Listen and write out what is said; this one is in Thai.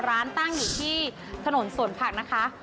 ร้านตั้งอยู่ที่ถนนสวนผักนะคะ